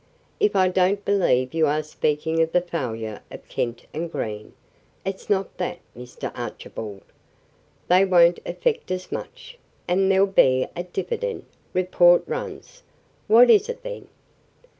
"If I don't believe you are speaking of the failure of Kent & Green! It's not that, Mr. Archibald. They won't affect us much; and there'll be a dividend, report runs." "What is it, then?"